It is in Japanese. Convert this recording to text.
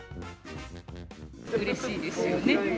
うれしいですよね。